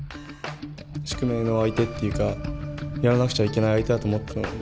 宿命の相手っていうかやらなくちゃいけない相手だと思っていたので。